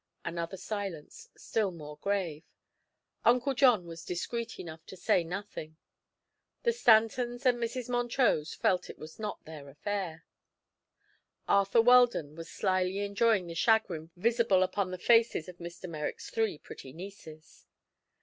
Another silence, still more grave. Uncle John was discreet enough to say nothing. The Stantons and Mrs. Montrose felt it was not their affair. Arthur Weldon was slyly enjoying the chagrin visible upon the faces of Mr. Merrick's three pretty nieces.